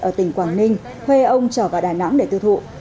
ở tỉnh quảng ninh thuê ông trở vào đà nẵng để tiêu thụ